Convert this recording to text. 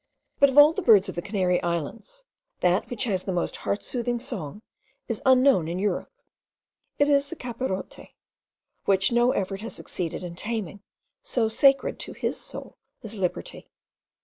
But of all the birds of the Canary Islands, that which has the most heart soothing song is unknown in Europe. It is the capirote, which no effort has succeeded in taming, so sacred to his soul is liberty.